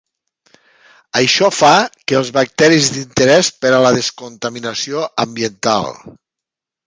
Això fa que els bacteris d'interès per a la descontaminació ambiental.